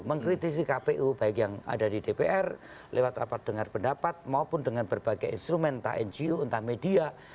mengkritisi kpu baik yang ada di dpr lewat rapat dengar pendapat maupun dengan berbagai instrumen entah ngo entah media